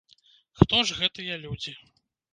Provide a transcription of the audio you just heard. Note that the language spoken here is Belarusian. Хто ж гэтыя людзі?